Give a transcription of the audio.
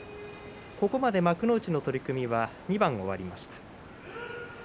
ここまで幕内の取組は２番終わりました。